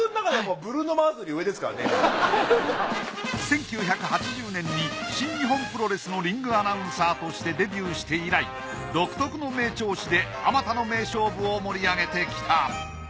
１９８０年に新日本プロレスのリングアナウンサーとしてデビューして以来独特の名調子であまたの名勝負を盛り上げてきた。